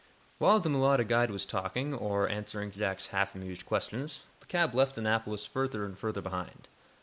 While the mulatto guide was talking, or answering Jack's half amused questions, the cab left Annapolis further and further behind.